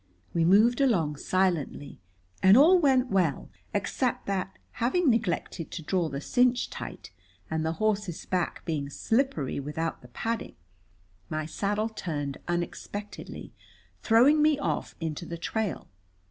We moved along silently, and all went well except that, having neglected to draw the cinch tight, and the horse's back being slippery without the padding, my saddle turned unexpectedly, throwing me off into the trail.